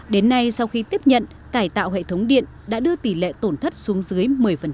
đến nay sau khi tiếp nhận cải tạo hệ thống điện đã đưa tỷ lệ tổn thất xuống dưới một mươi